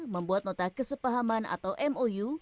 membuat nota kesepahaman atau mou